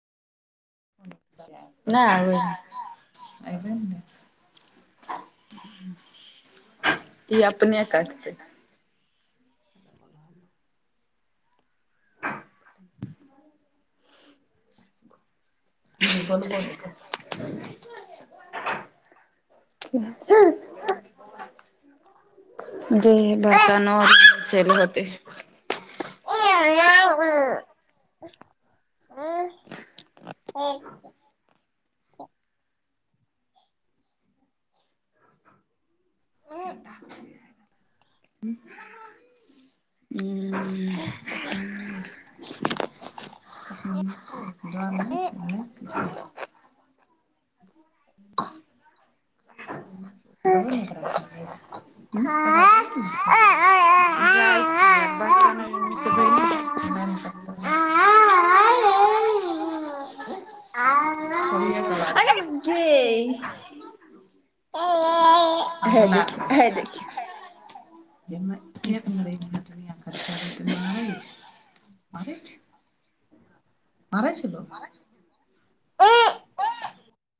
ह नहि ई अपने करतै [unintelligible] ह बल [unintelligible] क छै जे भता न सेल ह ह ह [unintelligible] आ [inaudible] बए त [unintelligible] ओ हे हे देख एना कक म मारै छल